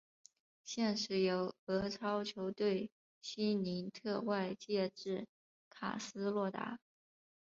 现时由俄超球队辛尼特外借至卡斯洛达。